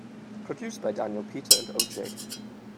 Produced by Daniel Peter and O-Jay.